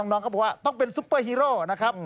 น้องเขาบอกว่าต้องเป็นซุปเปอร์ฮีโร่นะครับ